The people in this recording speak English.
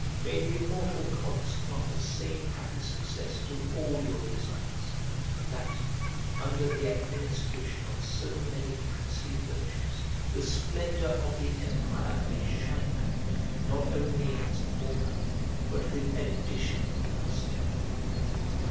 May the immortal gods grant the same happy success to all your designs, that, under the administration of so many princely virtues, the splendour of the empire may shine out, not only in its former, but with additional lustre.